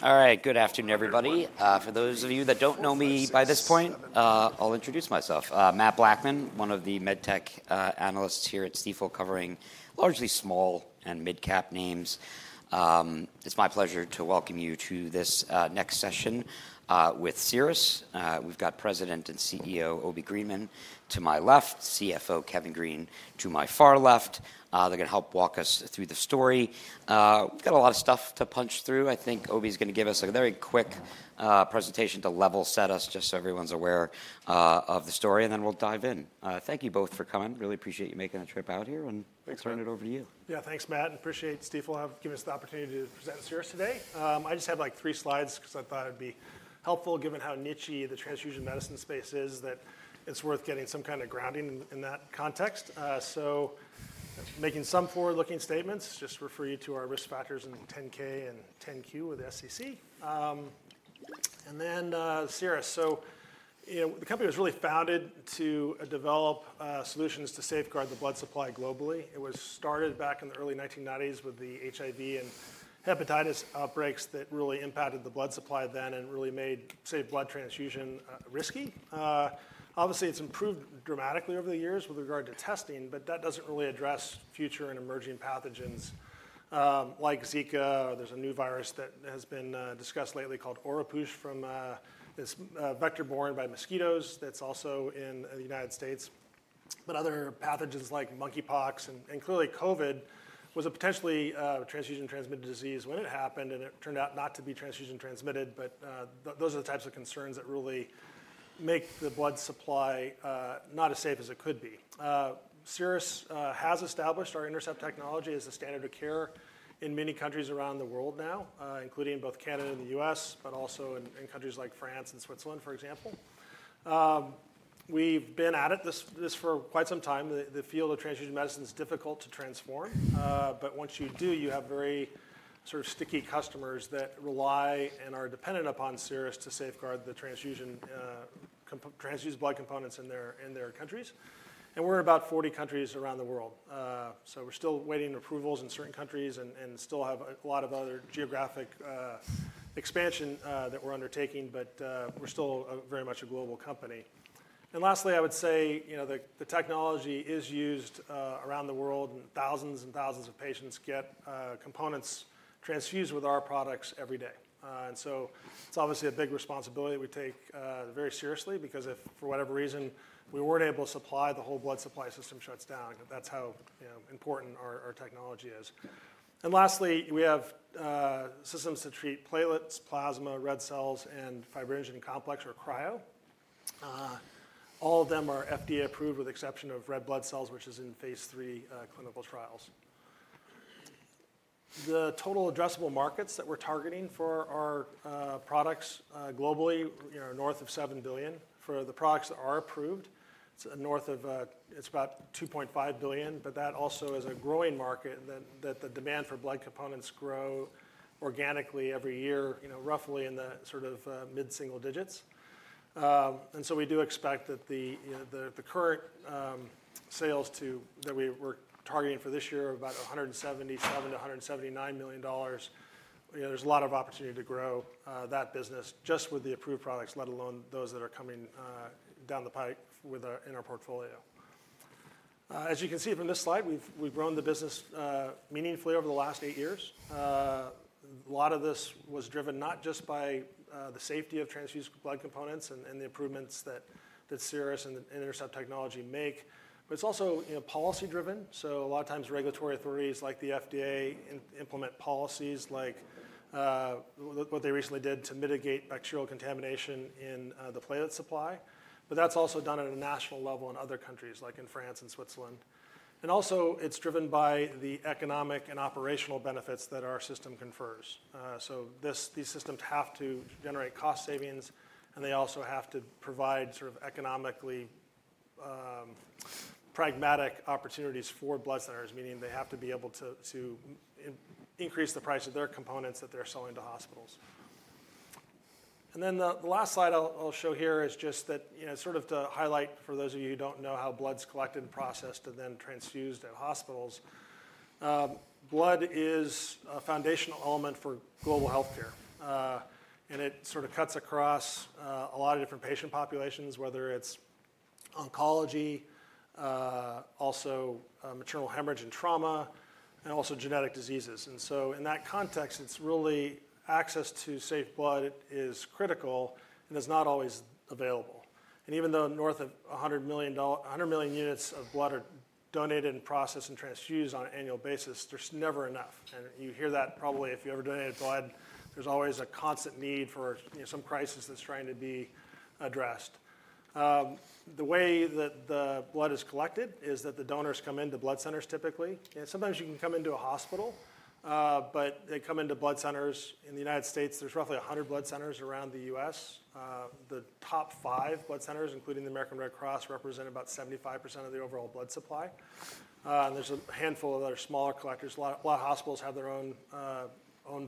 All right, good afternoon, everybody. For those of you that don't know me by this point, I'll introduce myself: Matt Blackman, one of the medtech analysts here at Stifel, covering largely small and mid-cap names. It's my pleasure to welcome you to this next session with Cerus. We've got President and CEO Obi Greenman to my left, CFO Kevin Green to my far left. They're going to help walk us through the story. We've got a lot of stuff to punch through. I think Obi is going to give us a very quick presentation to level set us, just so everyone's aware of the story, and then we'll dive in. Thank you both for coming. Really appreciate you making the trip out here. Thanks. Turn it over to you. Yeah, thanks, Matt. Appreciate Stifel giving us the opportunity to present Cerus today. I just have like three slides because I thought it'd be helpful, given how niche the transfusion medicine space is, that it's worth getting some kind of grounding in that context. So, making some forward-looking statements, just refer you to our risk factors in 10-K and 10-Q with the SEC, and then Cerus, so the company was really founded to develop solutions to safeguard the blood supply globally. It was started back in the early 1990s with the HIV and hepatitis outbreaks that really impacted the blood supply then and really made safe blood transfusion risky. Obviously, it's improved dramatically over the years with regard to testing, but that doesn't really address future and emerging pathogens like Zika. There's a new virus that has been discussed lately called Oropouche from this vector-borne by mosquitoes that's also in the United States. But other pathogens like monkeypox and clearly COVID was a potentially transfusion-transmitted disease when it happened, and it turned out not to be transfusion-transmitted. But those are the types of concerns that really make the blood supply not as safe as it could be. Cerus has established ourINTERCEPT technology as a standard of care in many countries around the world now, including both Canada and the U.S., but also in countries like France and Switzerland, for example. We've been at it for quite some time. The field of transfusion medicine is difficult to transform, but once you do, you have very sort of sticky customers that rely and are dependent upon Cerus to safeguard the transfused blood components in their countries. We're in about 40 countries around the world. So we're still waiting approvals in certain countries and still have a lot of other geographic expansion that we're undertaking, but we're still very much a global company. And lastly, I would say the technology is used around the world, and thousands and thousands of patients get components transfused with our products every day. And so it's obviously a big responsibility that we take very seriously because if for whatever reason we weren't able to supply, the whole blood supply system shuts down. That's how important our technology is. And lastly, we have systems to treat platelets, plasma, red cells, and fibrinogen complex, or cryo. All of them are FDA approved with the exception of red blood cells, which is in phase 3 clinical trials. The total addressable markets that we're targeting for our products globally are north of $7 billion. For the products that are approved, it's north of about $2.5 billion, but that also is a growing market that the demand for blood components grow organically every year, roughly in the sort of mid-single digits. We do expect that the current sales that we're targeting for this year are about $177 million-$179 million. There's a lot of opportunity to grow that business just with the approved products, let alone those that are coming down the pike in our portfolio. As you can see from this slide, we've grown the business meaningfully over the last eight years. A lot of this was driven not just by the safety of transfused blood components and the improvements that Cerus and INTERCEPT technology make, but it's also policy-driven. So a lot of times regulatory authorities like the FDA implement policies like what they recently did to mitigate bacterial contamination in the platelet supply. But that's also done at a national level in other countries like in France and Switzerland. And also it's driven by the economic and operational benefits that our system confers. So these systems have to generate cost savings, and they also have to provide sort of economically pragmatic opportunities for blood centers, meaning they have to be able to increase the price of their components that they're selling to hospitals. And then the last slide I'll show here is just that sort of to highlight for those of you who don't know how blood's collected and processed and then transfused at hospitals. Blood is a foundational element for global healthcare, and it sort of cuts across a lot of different patient populations, whether it's oncology, also maternal hemorrhage and trauma, and also genetic diseases. And so in that context, it's really access to safe blood is critical and is not always available. And even though north of 100 million units of blood are donated and processed and transfused on an annual basis, there's never enough. And you hear that probably if you ever donated blood, there's always a constant need for some crisis that's trying to be addressed. The way that the blood is collected is that the donors come into blood centers typically. And sometimes you can come into a hospital, but they come into blood centers. In the United States, there's roughly 100 blood centers around the U.S. The top five blood centers, including the American Red Cross, represent about 75% of the overall blood supply, and there's a handful of other smaller collectors. A lot of hospitals have their own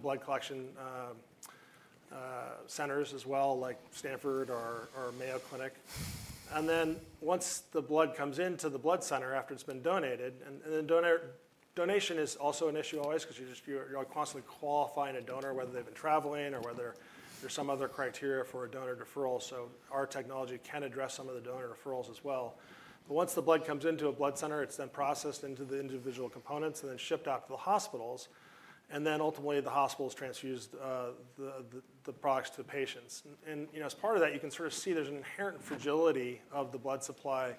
blood collection centers as well, like Stanford or Mayo Clinic, and then once the blood comes into the blood center after it's been donated, and then donation is also an issue always because you're constantly qualifying a donor, whether they've been traveling or whether there's some other criteria for a donor deferral, so our technology can address some of the donor deferrals as well. But once the blood comes into a blood center, it's then processed into the individual components and then shipped out to the hospitals, and then ultimately, the hospitals transfuse the products to patients. As part of that, you can sort of see there's an inherent fragility of the blood supply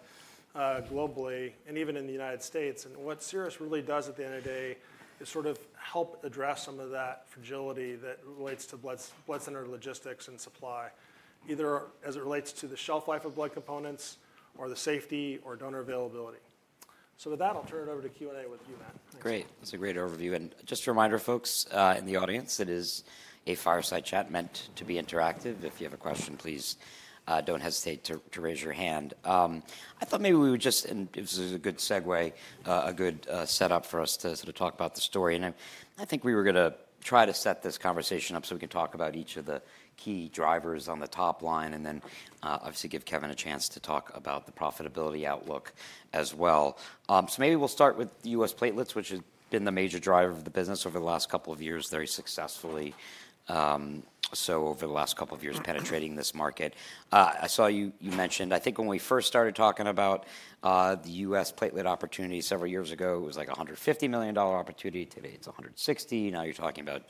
globally and even in the United States. And what Cerus really does at the end of the day is sort of help address some of that fragility that relates to blood center logistics and supply, either as it relates to the shelf life of blood components or the safety or donor availability. With that, I'll turn it over to Q&A with you, Matt. Great. That's a great overview. And just a reminder, folks in the audience, it is a fireside chat meant to be interactive. If you have a question, please don't hesitate to raise your hand. I thought maybe we would just, and this is a good segue, a good setup for us to sort of talk about the story. And I think we were going to try to set this conversation up so we can talk about each of the key drivers on the top line and then obviously give Kevin a chance to talk about the profitability outlook as well. So maybe we'll start with the U.S. platelets, which has been the major driver of the business over the last couple of years, very successfully. So over the last couple of years penetrating this market. I saw you mentioned, I think when we first started talking about the U.S. platelet opportunity several years ago, it was like a $150 million opportunity. Today it's $160 million. Now you're talking about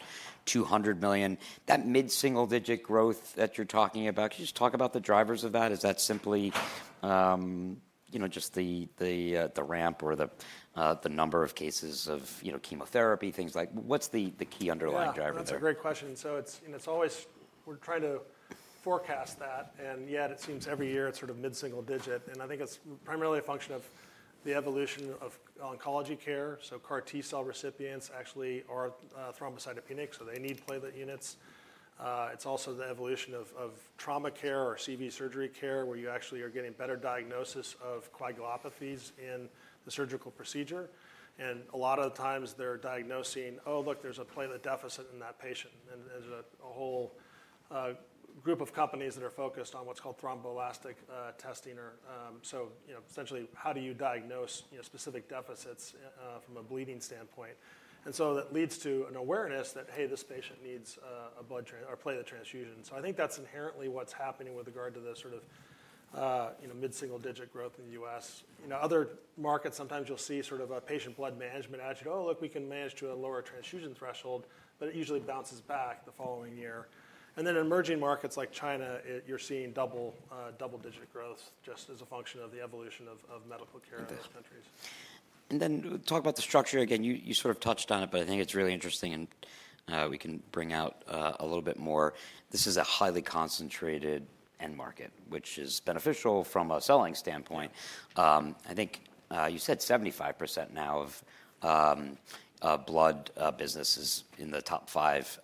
$200 million. That mid-single digit growth that you're talking about, can you just talk about the drivers of that? Is that simply just the ramp or the number of cases of chemotherapy, things like what's the key underlying driver there? That's a great question. So it's always we're trying to forecast that, and yet it seems every year it's sort of mid-single digit. And I think it's primarily a function of the evolution of oncology care. So CAR T-cell recipients actually are thrombocytopenic, so they need platelet units. It's also the evolution of trauma care or CV surgery care, where you actually are getting better diagnosis of coagulopathies in the surgical procedure. And a lot of the times they're diagnosing, "Oh, look, there's a platelet deficit in that patient." And there's a whole group of companies that are focused on what's called thromboelastic testing. So essentially, how do you diagnose specific deficits from a bleeding standpoint? And so that leads to an awareness that, "Hey, this patient needs a blood or platelet transfusion." So I think that's inherently what's happening with regard to the sort of mid-single-digit growth in the U.S. Other markets, sometimes you'll see sort of a patient blood management adage, "Oh, look, we can manage to a lower transfusion threshold," but it usually bounces back the following year. And then emerging markets like China, you're seeing double-digit growth just as a function of the evolution of medical care in those countries. Then talk about the structure again. You sort of touched on it, but I think it's really interesting, and we can bring out a little bit more. This is a highly concentrated end market, which is beneficial from a selling standpoint. I think you said 75% now of blood businesses in the top five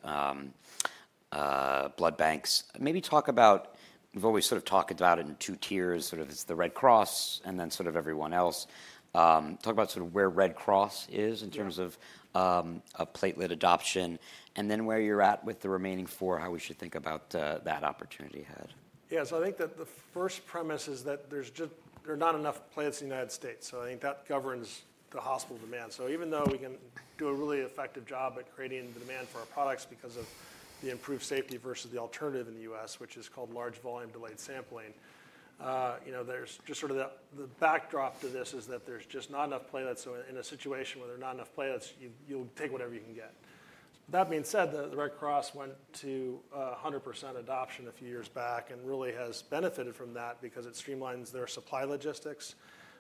blood banks. Maybe talk about we've always sort of talked about it in two tiers, sort of it's the Red Cross and then sort of everyone else. Talk about sort of where Red Cross is in terms of platelet adoption and then where you're at with the remaining four, how we should think about that opportunity ahead. Yeah, so I think that the first premise is that there are just not enough platelets in the United States. So I think that governs the hospital demand. So even though we can do a really effective job at creating the demand for our products because of the improved safety versus the alternative in the U.S., which is called large volume delayed sampling, there's just sort of the backdrop to this is that there's just not enough platelets. So in a situation where there are not enough platelets, you'll take whatever you can get. That being said, the Red Cross went to 100% adoption a few years back and really has benefited from that because it streamlines their supply logistics,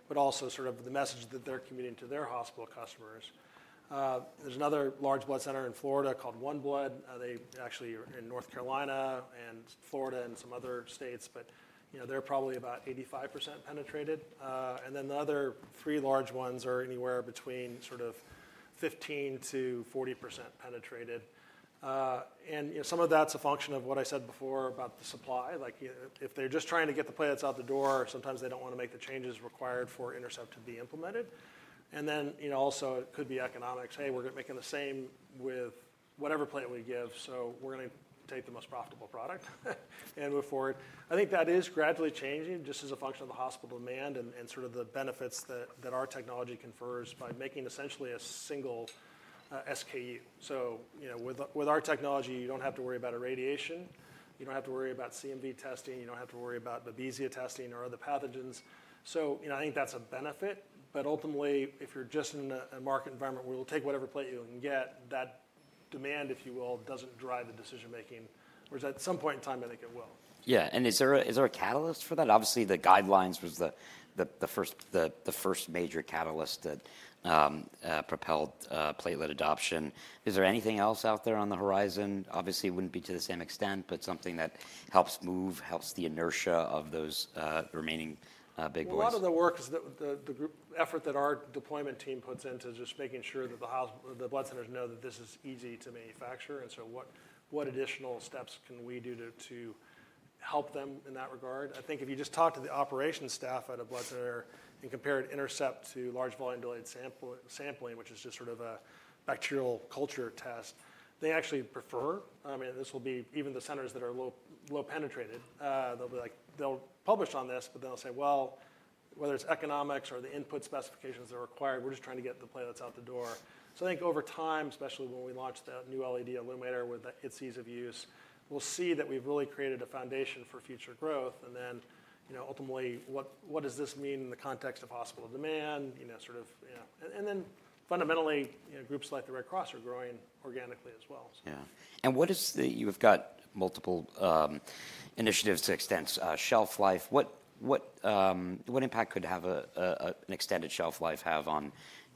but also sort of the message that they're committing to their hospital customers. There's another large blood center in Florida called OneBlood. They actually are in North Carolina and Florida and some other states, but they're probably about 85% penetrated. And then the other three large ones are anywhere between sort of 15%-40% penetrated. And some of that's a function of what I said before about the supply. If they're just trying to get the platelets out the door, sometimes they don't want to make the changes required for Intercept to be implemented. And then also it could be economics. "Hey, we're making the same with whatever platelet we give, so we're going to take the most profitable product and move forward." I think that is gradually changing just as a function of the hospital demand and sort of the benefits that our technology confers by making essentially a single SKU. So with our technology, you don't have to worry about irradiation. You don't have to worry about CMV testing. You don't have to worry about Babesia testing or other pathogens. So I think that's a benefit. But ultimately, if you're just in a market environment where we'll take whatever platelet you can get, that demand, if you will, doesn't drive the decision-making, whereas at some point in time, I think it will. Yeah. And is there a catalyst for that? Obviously, the guidelines was the first major catalyst that propelled platelet adoption. Is there anything else out there on the horizon? Obviously, it wouldn't be to the same extent, but something that helps move, helps the inertia of those remaining big boys? A lot of the work, the effort that our deployment team puts into just making sure that the blood centers know that this is easy to manufacture. And so what additional steps can we do to help them in that regard? I think if you just talk to the operations staff at a blood center and compare it to INTERCEPT to large volume delayed sampling, which is just sort of a bacterial culture test, they actually prefer. I mean, this will be even the centers that are low penetrated. They'll publish on this, but then they'll say, "Well, whether it's economics or the input specifications that are required, we're just trying to get the platelets out the door." So I think over time, especially when we launch the new LED illuminator with its ease of use, we'll see that we've really created a foundation for future growth. And then ultimately, what does this mean in the context of hospital demand? Fundamentally, groups like the Red Cross are growing organically as well. Yeah. And what is it you've got multiple initiatives to extend shelf life? What impact could an extended shelf life have on,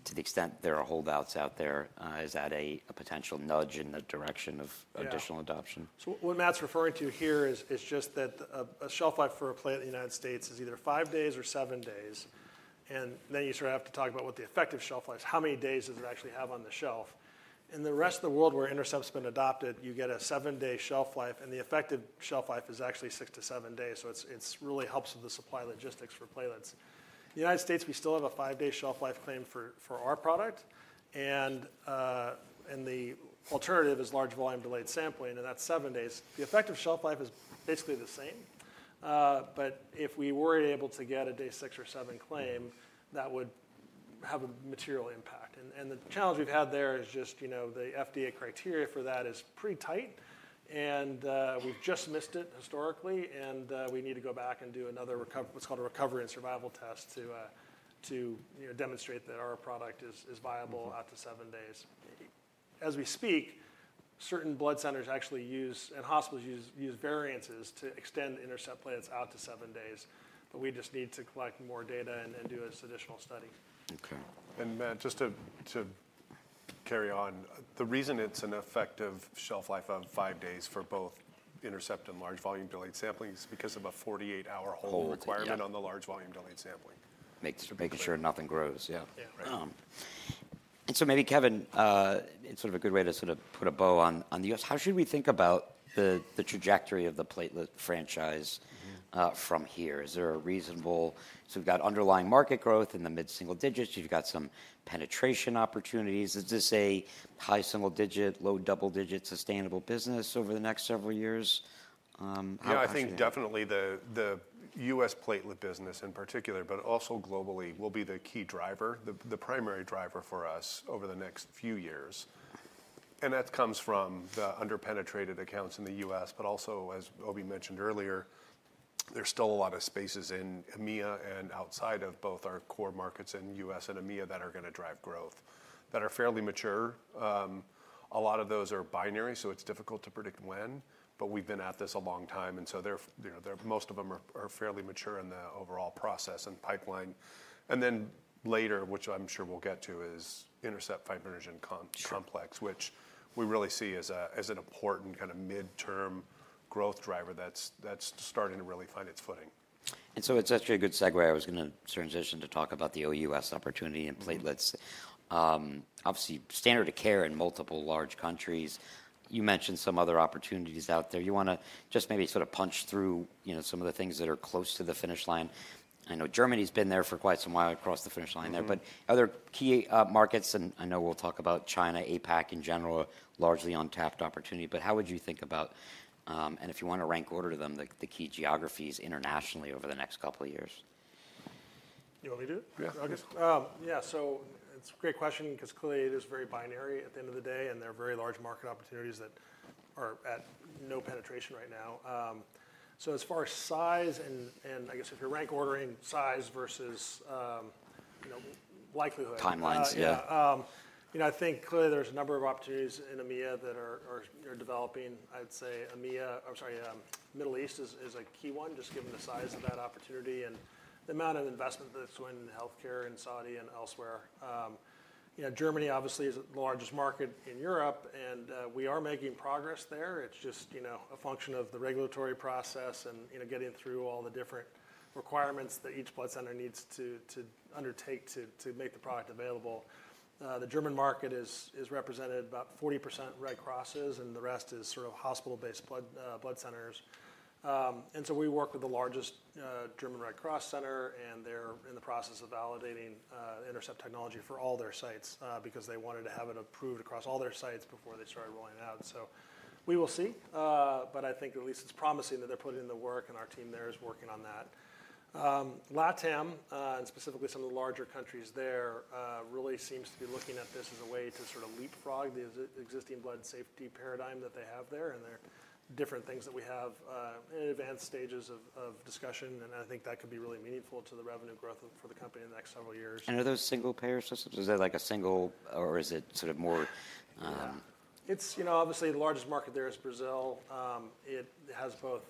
to the extent there are holdouts out there? Is that a potential nudge in the direction of additional adoption? What Matt's referring to here is just that a shelf life for a platelet in the United States is either five days or seven days. And then you sort of have to talk about what the effective shelf life is, how many days does it actually have on the shelf? In the rest of the world where INTERCEPT's been adopted, you get a seven-day shelf life, and the effective shelf life is actually six to seven days. So it really helps with the supply logistics for platelets. In the United States, we still have a five-day shelf life claim for our product. And the alternative is Large Volume Delayed Sampling, and that's seven days. The effective shelf life is basically the same. But if we were able to get a day six or seven claim, that would have a material impact. The challenge we've had there is just the FDA criteria for that is pretty tight, and we've just missed it historically. We need to go back and do another what's called a recovery and survival test to demonstrate that our product is viable out to seven days. As we speak, certain blood centers actually use and hospitals use variances to extend INTERCEPT platelets out to seven days, but we just need to collect more data and do this additional study. Okay. And Matt, just to carry on, the reason it's an effective shelf life of five days for both Intercept and Large Volume Delayed Sampling is because of a 48-hour hold requirement on the Large Volume Delayed Sampling. Making sure nothing grows. Yeah. And so maybe, Kevin, it's sort of a good way to sort of put a bow on the U.S. How should we think about the trajectory of the platelet franchise from here? Is there a reasonable so we've got underlying market growth in the mid-single digits. You've got some penetration opportunities. Is this a high single digit, low double digit sustainable business over the next several years? Yeah, I think definitely the U.S. platelet business in particular, but also globally, will be the key driver, the primary driver for us over the next few years, and that comes from the under-penetrated accounts in the U.S., but also, as Obi mentioned earlier, there's still a lot of spaces in EMEA and outside of both our core markets in U.S. and EMEA that are going to drive growth that are fairly mature. A lot of those are binary, so it's difficult to predict when, but we've been at this a long time, and so most of them are fairly mature in the overall process and pipeline, and then later, which I'm sure we'll get to, is INTERCEPT Fibrinogen Complex, which we really see as an important kind of mid-term growth driver that's starting to really find its footing. And so it's actually a good segue. I was going to transition to talk about the OUS opportunity and platelets. Obviously, standard of care in multiple large countries. You mentioned some other opportunities out there. You want to just maybe sort of punch through some of the things that are close to the finish line. I know Germany's been there for quite some while across the finish line there, but other key markets, and I know we'll talk about China, APAC in general, a largely untapped opportunity. But how would you think about, and if you want to rank order to them, the key geographies internationally over the next couple of years? Do you want me to? Yeah. I guess, yeah. So it's a great question because clearly it is very binary at the end of the day, and there are very large market opportunities that are at no penetration right now. So as far as size and I guess if you're rank ordering size versus likelihood. Timelines, yeah. I think clearly there's a number of opportunities in EMEA that are developing. I'd say EMEA, I'm sorry, Middle East is a key one just given the size of that opportunity and the amount of investment that's going into healthcare in Saudi and elsewhere. Germany obviously is the largest market in Europe, and we are making progress there. It's just a function of the regulatory process and getting through all the different requirements that each blood center needs to undertake to make the product available. The German market is represented about 40% Red Cross, and the rest is sort of hospital-based blood centers, and so we work with the largest German Red Cross center, and they're in the process of validating INTERCEPT technology for all their sites because they wanted to have it approved across all their sites before they started rolling it out. So we will see, but I think at least it's promising that they're putting in the work, and our team there is working on that. LATAM, and specifically some of the larger countries there, really seems to be looking at this as a way to sort of leapfrog the existing blood safety paradigm that they have there. And there are different things that we have in advanced stages of discussion, and I think that could be really meaningful to the revenue growth for the company in the next several years. And are those single payer systems? Is there like a single, or is it sort of more? Yeah. Obviously, the largest market there is Brazil. It has both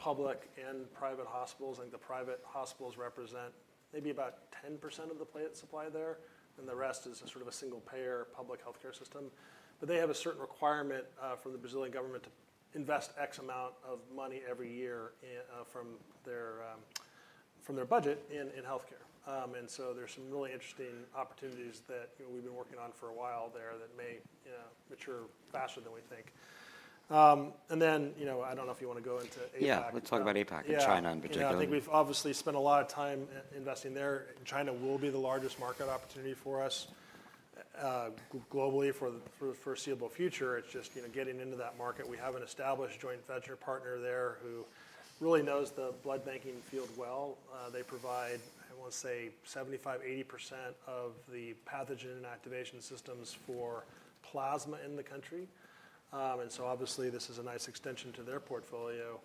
public and private hospitals. I think the private hospitals represent maybe about 10% of the platelet supply there, and the rest is sort of a single payer public healthcare system. But they have a certain requirement from the Brazilian government to invest X amount of money every year from their budget in healthcare. And so there's some really interesting opportunities that we've been working on for a while there that may mature faster than we think. And then I don't know if you want to go into APAC. Yeah, let's talk about APAC and China in particular. Yeah, I think we've obviously spent a lot of time investing there. China will be the largest market opportunity for us globally for the foreseeable future. It's just getting into that market. We have an established joint venture partner there who really knows the blood banking field well. They provide, I want to say, 75%-80% of the pathogen inactivation systems for plasma in the country. And so obviously, this is a nice extension to their portfolio.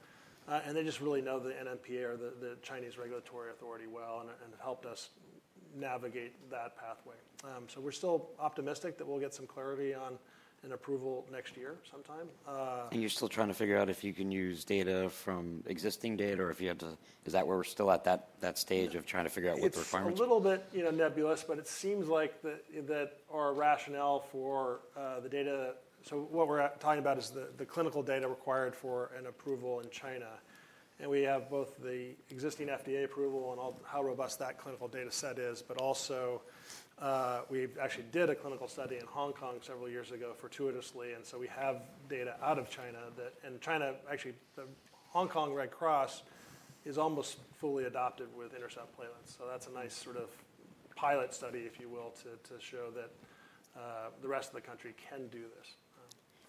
And they just really know the NMPA, or the Chinese regulatory authority, well and helped us navigate that pathway. So we're still optimistic that we'll get some clarity on an approval next year sometime. You're still trying to figure out if you can use data from existing data or if you have to. Is that where we're still at that stage of trying to figure out what the requirements are? It's a little bit nebulous, but it seems like that our rationale for the data so what we're talking about is the clinical data required for an approval in China, and we have both the existing FDA approval and how robust that clinical data set is, but also we actually did a clinical study in Hong Kong several years ago fortuitously, and so we have data out of China, and China, actually, the Hong Kong Red Cross is almost fully adopted with INTERCEPT platelets, so that's a nice sort of pilot study, if you will, to show that the rest of the country can do this.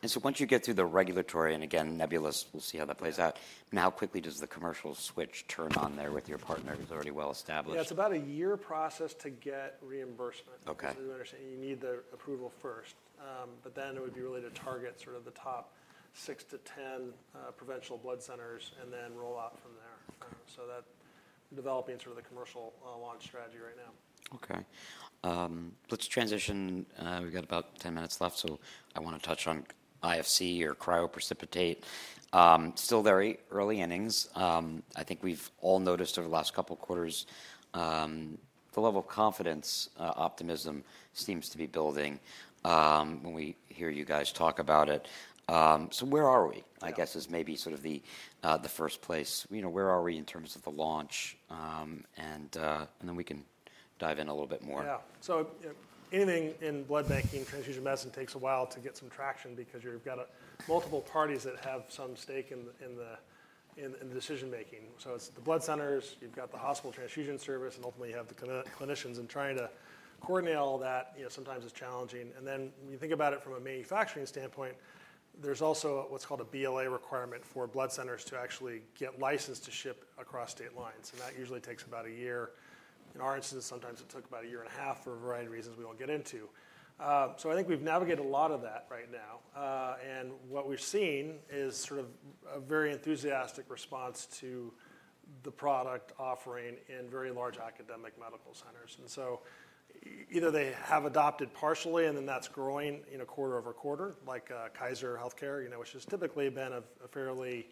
And so once you get through the regulatory, and again, nebulous, we'll see how that plays out. Now, how quickly does the commercial switch turn on there with your partner who's already well established? Yeah, it's about a year process to get reimbursement. You need the approval first, but then it would be really to target sort of the top six-to-ten provincial blood centers and then roll out from there. So that's developing sort of the commercial launch strategy right now. Okay. Let's transition. We've got about 10 minutes left, so I want to touch on IFC or cryoprecipitate. Still very early innings. I think we've all noticed over the last couple of quarters the level of confidence, optimism seems to be building when we hear you guys talk about it. So where are we, I guess, is maybe sort of the first place. Where are we in terms of the launch? And then we can dive in a little bit more. Yeah. So anything in blood banking transfusion medicine takes a while to get some traction because you've got multiple parties that have some stake in the decision-making. So it's the blood centers, you've got the hospital transfusion service, and ultimately you have the clinicians. And trying to coordinate all that sometimes is challenging. And then when you think about it from a manufacturing standpoint, there's also what's called a BLA requirement for blood centers to actually get licensed to ship across state lines. And that usually takes about a year. In our instance, sometimes it took about a year and a half for a variety of reasons we won't get into. So I think we've navigated a lot of that right now. And what we've seen is sort of a very enthusiastic response to the product offering in very large academic medical centers. And so either they have adopted partially, and then that's growing quarter-over-quarter, like Kaiser Healthcare, which has typically been a fairly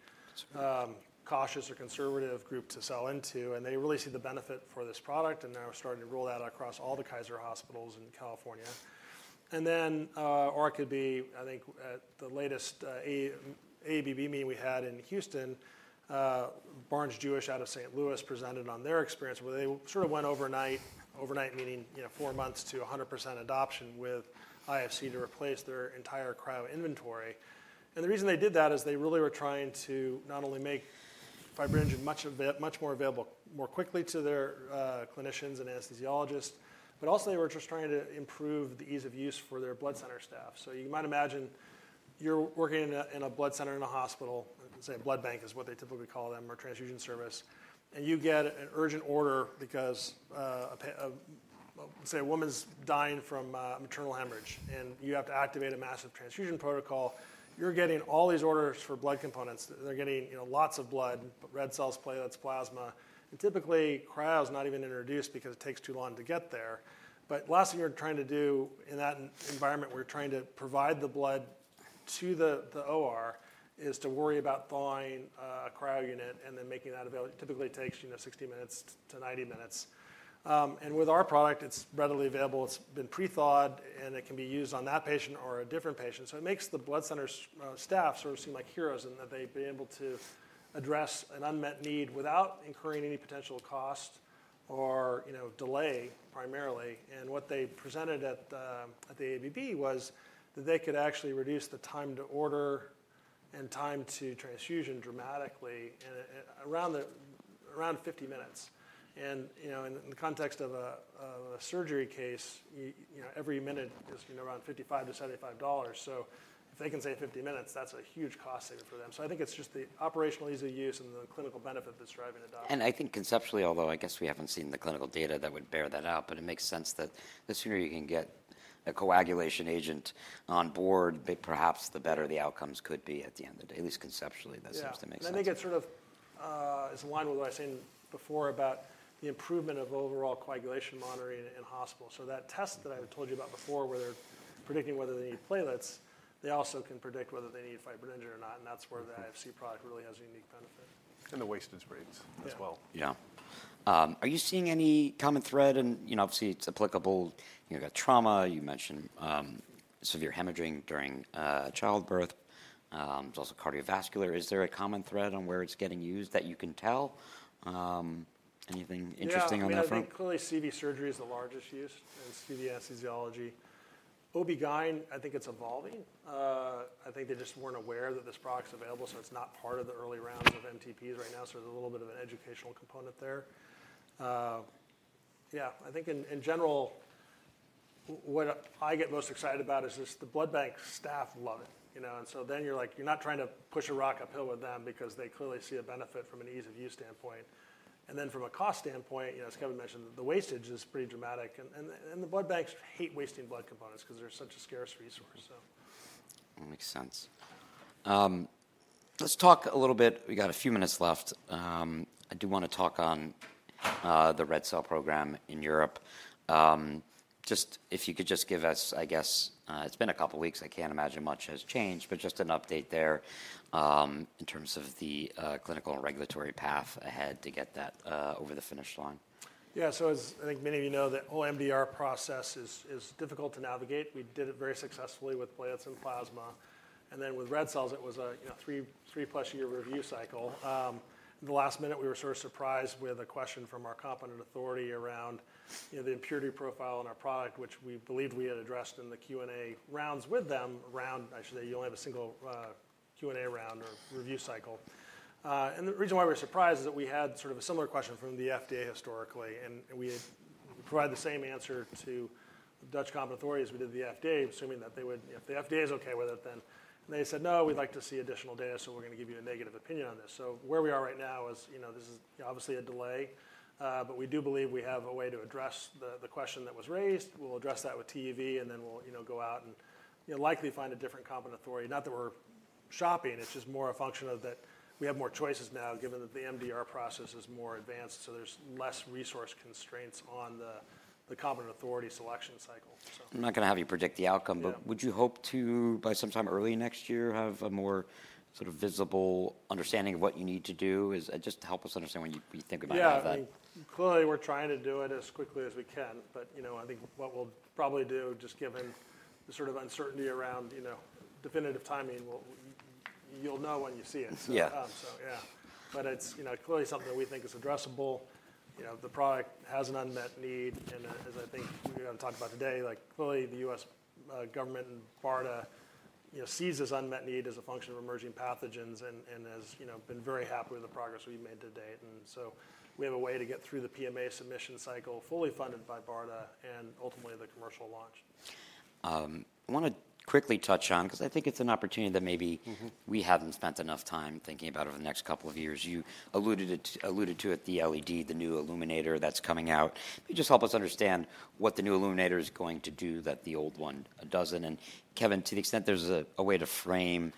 cautious or conservative group to sell into. And they really see the benefit for this product, and now we're starting to roll that out across all the Kaiser hospitals in California. And then, or it could be, I think, at the latest AABB meeting we had in Houston, Barnes-Jewish out of St. Louis presented on their experience where they sort of went overnight, overnight meaning four months to 100% adoption with IFC to replace their entire cryo inventory. And the reason they did that is they really were trying to not only make fibrinogen much more available more quickly to their clinicians and anesthesiologists, but also they were just trying to improve the ease of use for their blood center staff. You might imagine you're working in a blood center in a hospital, say a blood bank is what they typically call them or transfusion service, and you get an urgent order because, say, a woman's dying from maternal hemorrhage, and you have to activate a Massive Transfusion Protocol. You're getting all these orders for blood components. They're getting lots of blood, red cells, platelets, plasma. And typically, cryo is not even introduced because it takes too long to get there. But the last thing you're trying to do in that environment where you're trying to provide the blood to the OR is to worry about thawing a cryo unit and then making that available. Typically, it takes 60 minutes-90 minutes. And with our product, it's readily available. It's been pre-thawed, and it can be used on that patient or a different patient. So it makes the blood center staff sort of seem like heroes in that they've been able to address an unmet need without incurring any potential cost or delay primarily. And what they presented at the AABB was that they could actually reduce the time to order and time to transfusion dramatically around 50 minutes. And in the context of a surgery case, every minute is around $55-$75. So if they can save 50 minutes, that's a huge cost saver for them. So I think it's just the operational ease of use and the clinical benefit that's driving adoption. I think conceptually, although I guess we haven't seen the clinical data that would bear that out, but it makes sense that the sooner you can get a coagulation agent on board, perhaps the better the outcomes could be at the end of the day, at least conceptually. That seems to make sense. Yeah. I think it sort of is in line with what I've seen before about the improvement of overall coagulation monitoring in hospitals. That test that I told you about before where they're predicting whether they need platelets, they also can predict whether they need fibrinogen or not. That's where the IFC product really has a unique benefit. The wastage rates as well. Yeah. Are you seeing any common thread? And obviously, it's applicable. You've got trauma. You mentioned severe hemorrhaging during childbirth. There's also cardiovascular. Is there a common thread on where it's getting used that you can tell? Anything interesting on that front? Yeah, I think clearly CV surgery is the largest use in CV anesthesiology. OB/GYN, I think it's evolving. I think they just weren't aware that this product's available, so it's not part of the early rounds of MTPs right now. So there's a little bit of an educational component there. Yeah, I think in general, what I get most excited about is just the blood bank staff love it. And so then you're like, you're not trying to push a rock uphill with them because they clearly see a benefit from an ease of use standpoint. And then from a cost standpoint, as Kevin mentioned, the wastage is pretty dramatic. And the blood banks hate wasting blood components because they're such a scarce resource. Makes sense. Let's talk a little bit. We've got a few minutes left. I do want to talk on the Red Cell program in Europe. Just if you could just give us, I guess, it's been a couple of weeks. I can't imagine much has changed, but just an update there in terms of the clinical and regulatory path ahead to get that over the finish line. Yeah. So as I think many of you know, the whole MDR process is difficult to navigate. We did it very successfully with platelets and plasma. And then with red cells, it was a three-plus-year review cycle. At the last minute, we were sort of surprised with a question from our competent authority around the impurity profile in our product, which we believed we had addressed in the Q&A rounds with them around. I should say, you only have a single Q&A round or review cycle. And the reason why we were surprised is that we had sort of a similar question from the FDA historically. And we had provided the same answer to the Dutch competent authority as we did the FDA, assuming that they would, if the FDA is okay with it, then. And they said, "No, we'd like to see additional data, so we're going to give you a negative opinion on this." So where we are right now is this is obviously a delay, but we do believe we have a way to address the question that was raised. We'll address that with TÜV SÜD, and then we'll go out and likely find a different competent authority. Not that we're shopping. It's just more a function of that we have more choices now given that the MDR process is more advanced, so there's less resource constraints on the competent authority selection cycle. I'm not going to have you predict the outcome, but would you hope to, by sometime early next year, have a more sort of visible understanding of what you need to do? Just to help us understand when you think about that. Yeah. Clearly, we're trying to do it as quickly as we can. But I think what we'll probably do, just given the sort of uncertainty around definitive timing, you'll know when you see it. So yeah. But it's clearly something that we think is addressable. The product has an unmet need. And as I think we're going to talk about today, clearly the U.S. government and BARDA sees this unmet need as a function of emerging pathogens and has been very happy with the progress we've made to date. And so we have a way to get through the PMA submission cycle fully funded by BARDA and ultimately the commercial launch. I want to quickly touch on, because I think it's an opportunity that maybe we haven't spent enough time thinking about over the next couple of years. You alluded to it, the LED illuminator that's coming out. Could you just help us understand what the new illuminator is going to do that the old one doesn't? Kevin, to the extent there's a way to frame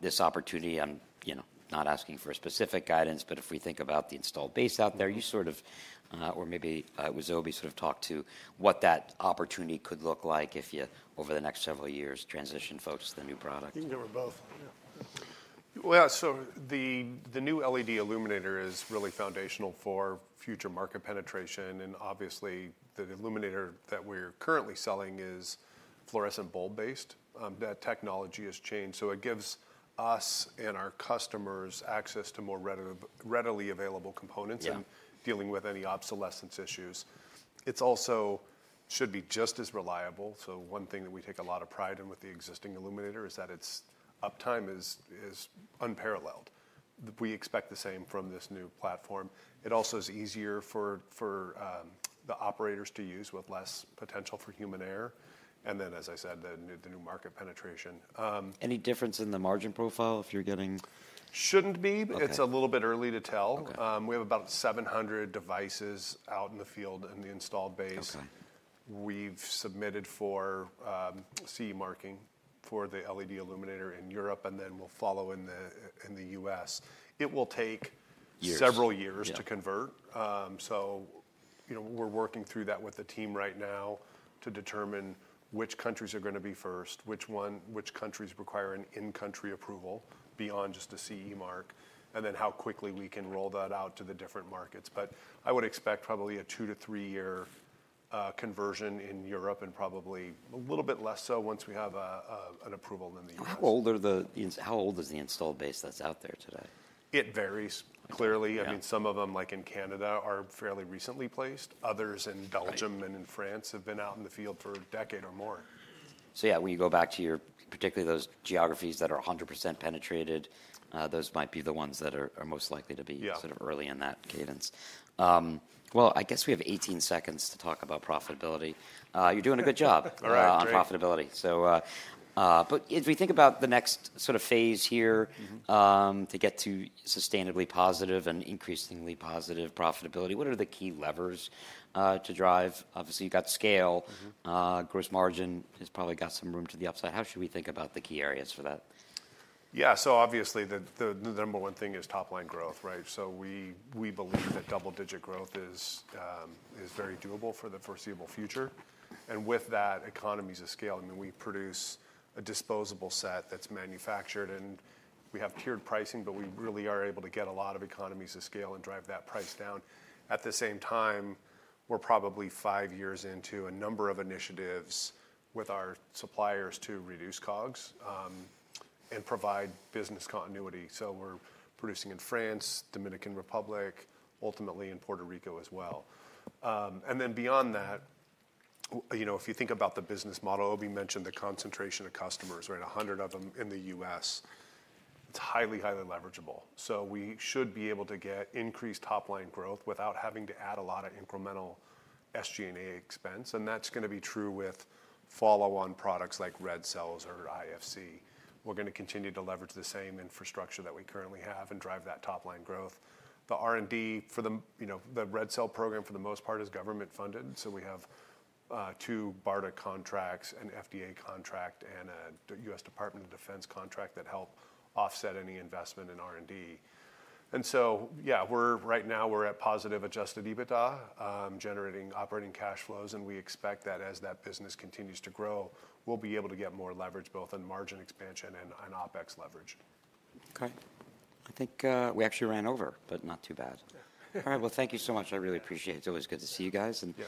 this opportunity, I'm not asking for specific guidance, but if we think about the installed base out there, you sort of, or maybe it was Obi sort of talked to what that opportunity could look like if you, over the next several years, transition folks to the new product. I think there were both. Yeah. Well, so the new LED illuminator is really foundational for future market penetration. And obviously, the illuminator that we're currently selling is fluorescent bulb-based. That technology has changed. So it gives us and our customers access to more readily available components and dealing with any obsolescence issues. It also should be just as reliable. So one thing that we take a lot of pride in with the existing illuminator is that its uptime is unparalleled. We expect the same from this new platform. It also is easier for the operators to use with less potential for human error. And then, as I said, the new market penetration. Any difference in the margin profile if you're getting? Shouldn't be. It's a little bit early to tell. We have about 700 devices out in the field in the installed base. We've submitted for CE marking for the LED illuminator in Europe, and then we'll follow in the U.S. It will take several years to convert. So we're working through that with the team right now to determine which countries are going to be first, which countries require an in-country approval beyond just a CE mark, and then how quickly we can roll that out to the different markets. But I would expect probably a two to three-year conversion in Europe and probably a little bit less so once we have an approval in the U.S. How old is the installed base that's out there today? It varies, clearly. I mean, some of them, like in Canada, are fairly recently placed. Others in Belgium and in France have been out in the field for a decade or more. So yeah, when you go back to your, particularly those geographies that are 100% penetrated, those might be the ones that are most likely to be sort of early in that cadence. Well, I guess we have 18 seconds to talk about profitability. You're doing a good job on profitability. But if we think about the next sort of phase here to get to sustainably positive and increasingly positive profitability, what are the key levers to drive? Obviously, you've got scale. Gross margin has probably got some room to the upside. How should we think about the key areas for that? Yeah. So obviously, the number one thing is top-line growth, right? So we believe that double-digit growth is very doable for the foreseeable future. And with that, economies of scale. I mean, we produce a disposable set that's manufactured, and we have tiered pricing, but we really are able to get a lot of economies of scale and drive that price down. At the same time, we're probably five years into a number of initiatives with our suppliers to reduce COGS and provide business continuity. So we're producing in France, Dominican Republic, ultimately in Puerto Rico as well. And then beyond that, if you think about the business model, Obi mentioned the concentration of customers, right? 100 of them in the U.S. It's highly, highly leverageable. So we should be able to get increased top-line growth without having to add a lot of incremental SG&A expense. And that's going to be true with follow-on products like red cells or IFC. We're going to continue to leverage the same infrastructure that we currently have and drive that top-line growth. The R&D for the red cell program, for the most part, is government-funded. So we have two BARDA contracts, an FDA contract, and a U.S. Department of Defense contract that help offset any investment in R&D. And so yeah, right now we're at positive adjusted EBITDA, generating operating cash flows. And we expect that as that business continues to grow, we'll be able to get more leverage, both in margin expansion and OpEx leverage. Okay. I think we actually ran over, but not too bad. All right. Well, thank you so much. I really appreciate it. It's always good to see you guys. And.